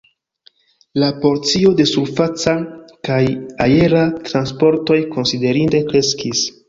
La porcio de surfaca kaj aera transportoj konsiderinde kreskis.